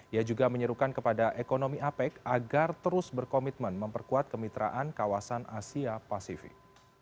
ia juga menyerukan kepada ekonomi apec agar terus berkomitmen memperkuat kemitraan kawasan asia pasifik